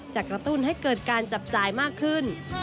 กระตุ้นให้เกิดการจับจ่ายมากขึ้น